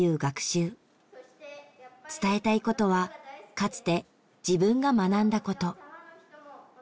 伝えたいことはかつて自分が学んだこと。